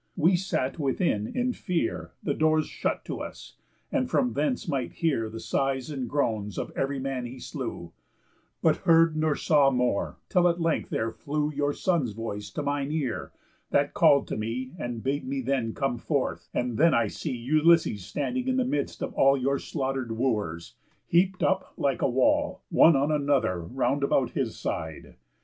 We sat within in fear, The doors shut on us, and from thence might hear The sighs and groans of ev'ry man he slew, But heard nor saw more, till at length there flew Your son's voice to mine ear, that call'd to me, And bade me then come forth, and then I see Ulysses standing in the midst of all Your slaughter'd Wooers, heap'd up, like a wall, One on another round about his side.